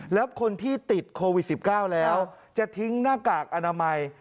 แล้วคนที่ติดโควิด๑๙แล้วจะทิ้งหน้ากากอนามัย